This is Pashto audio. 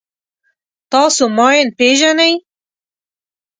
تاسو ماین پېژنئ.